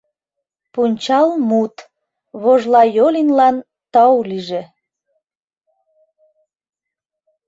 Пунчалмут: Вожлайолинлан тау лийже...